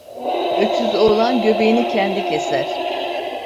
Öksüz oğlan göbeğini kendi keser.